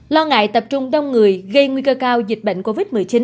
lo ngại tập trung đông người gây nguy cơ cao dịch bệnh covid một mươi chín